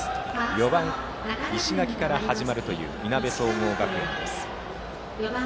４番、石垣から始まるといういなべ総合学園です。